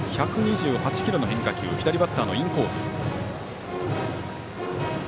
１２８キロの変化球左バッターのインコース。